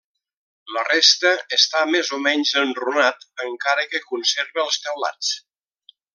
La resta està més o menys enrunat, encara que conserva els teulats.